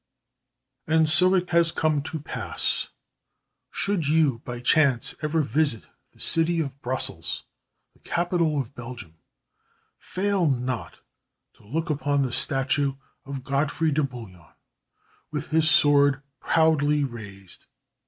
And so it has come to pass. Should you, by chance, ever visit the city of Brussels, the capital of Belgium, fail not to look upon the statue of Godfrey de Bouillon, with his sword proudly raised.